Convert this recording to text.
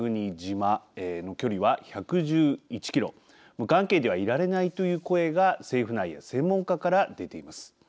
無関係ではいられないという声が政府内や専門家から出ています。